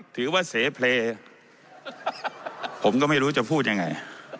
ถือว่าเสเพลย์ผมก็ไม่รู้จะพูดยังไง